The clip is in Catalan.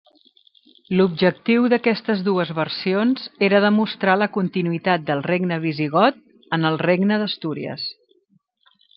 L'objectiu d'aquestes dues versions era demostrar la continuïtat del regne visigot en el regne d'Astúries.